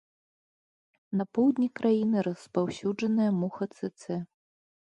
На поўдні краіны распаўсюджаная муха цэцэ.